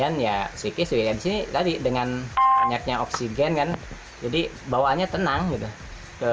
pesikis ya di sini tadi dengan banyaknya oksigen kan jadi bawaannya tenang gitu